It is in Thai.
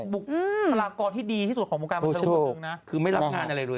บุกคลากรที่ดีที่สุดของปรูกรามันเจอหมดนึงนะ